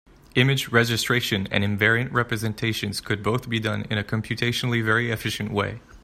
Image registration and invariant representations could both be done in a computationally very efficient way.